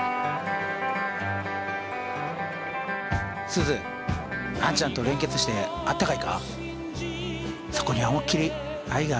すずあんちゃんと連結してあったかいか？